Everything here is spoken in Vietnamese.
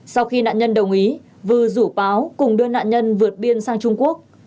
sau khi nạn nhân đồng ý vư rủ báo cùng đưa nạn nhân vượt biên sang trung quốc